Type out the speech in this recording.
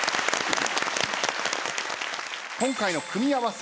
今回の組み合わせ